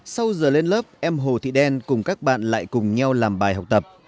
sau giờ lên lớp em hồ thị đen cùng các bạn lại cùng nhau làm bài học tập